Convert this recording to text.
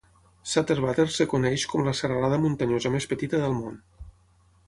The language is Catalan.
Sutter Buttes es coneix com la serralada muntanyosa més petita del món.